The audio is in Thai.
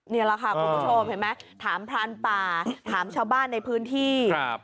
นี่แหละค่ะคุณผู้ชมเห็นไหมถามพรานป่าถามชาวบ้านในพื้นที่ครับ